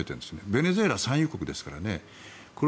ベネズエラは産油国ですからね。